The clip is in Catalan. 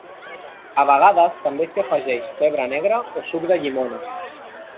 A vegades també s'hi afegeix pebre negre o suc de llimona.